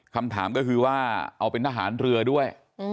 คำถามก็คือว่าเอาเป็นทหารเรือด้วย